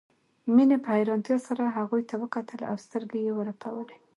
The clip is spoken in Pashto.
مينې په حيرانتيا سره هغوی ته وکتل او سترګې يې ورپولې